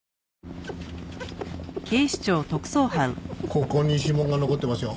ここに指紋が残ってますよ。